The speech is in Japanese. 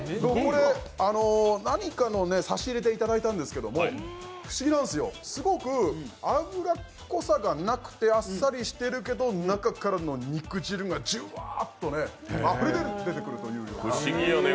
何かの差し入れでいただいたんですけど、不思議なんですよ、すごく脂っこさがなくてあっさりしてるけど中からの肉汁がじゅわーっとあふれ出てくるというような。